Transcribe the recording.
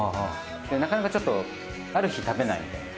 なかなかちょっと食べない。